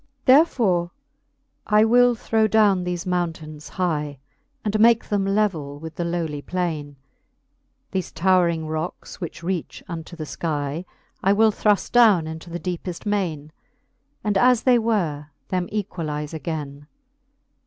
Therefore I will throw downe thefe mountaines hie, And make them levell with the lowly plaine : 1 hefe towring rocks, which reach unto the skie, I will thru ft downe into the deepeft maine. And as they were, them equalize againe.